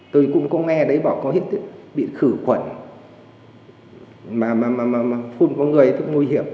tôi cũng có nghe đấy bảo có hiệu quả bị khử khuẩn mà phun vào người thì nguy hiểm